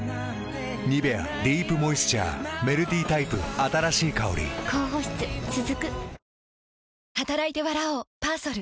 「ニベアディープモイスチャー」メルティタイプ新しい香り高保湿続く。